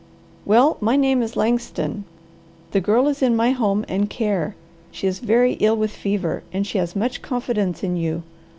"Well my name is Langston. The Girl is in my home and care. She is very ill with fever, and she has much confidence in you.